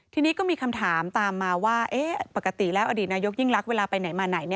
ทีนี้ก็มีคำถามตามมาว่าปกติแล้วอดีตนายกยิ่งรักเวลาไปไหนมาไหน